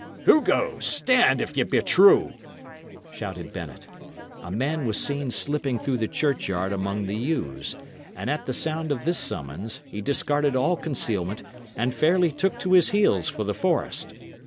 "Who goes? Stand! if ye be true!" shouted Bennet. A man was seen slipping through the churchyard among the yews; and at the sound of this summons he discarded all concealment, and fairly took to his heels for the forest.